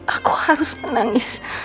aku harus menangis